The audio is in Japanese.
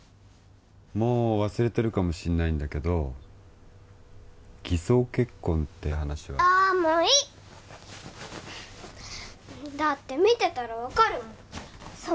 もう忘れてるかもしんないんだけど偽装結婚って話はああもういいだって見てたら分かるもん